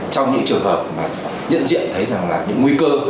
trong những trường hợp mà nhận diện thấy rằng là những nguy cơ